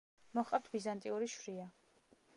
მოჰყავთ ბიზანტიური შვრია.